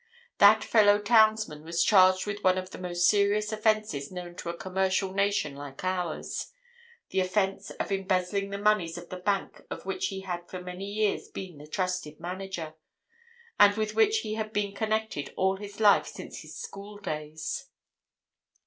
That fellow townsman was charged with one of the most serious offences known to a commercial nation like ours: the offence of embezzling the moneys of the bank of which he had for many years been the trusted manager, and with which he had been connected all his life since his school days.